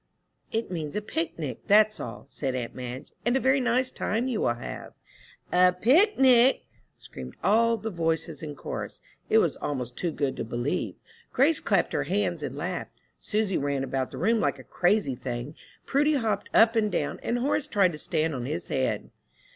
"It means a picnic, that's all," said aunt Madge, "and a very nice time you will have." "A picnic!" screamed all the voices in chorus. It was almost too good to believe. Grace clapped her hands and laughed. Susy ran about the room like a crazy thing. Prudy hopped up and down, and Horace tried to stand on his head.